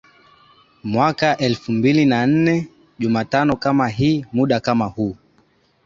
mwaka elfu mbili na nne jumatano kama hii muda kama huu